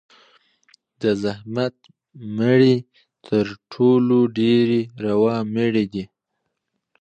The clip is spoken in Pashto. د زحمت مړۍ تر ټولو ډېره روا مړۍ ده.